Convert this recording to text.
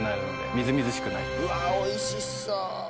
うわおいしそう！